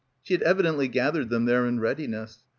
She had evidently gathered them there in readiness.